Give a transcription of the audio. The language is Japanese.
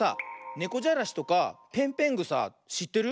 ねこじゃらしとかぺんぺんぐさしってる？